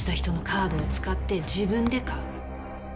カードを使って自分で買う